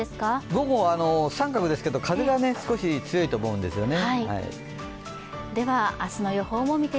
午後、△ですけれど風が少し強いと思うんですよね。